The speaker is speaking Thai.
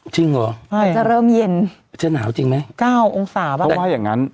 จริงหรอใช่แต่จะเริ่มเย็นเตือนาวจริงไหมเก้าองศาวร์เขาว่าอย่างนั้น